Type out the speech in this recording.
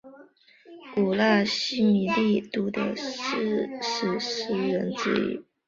古希腊米利都的史诗诗人之一。